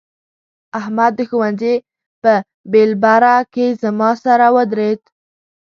احمد د ښوونځي په بېلبره کې زما سره ودرېد.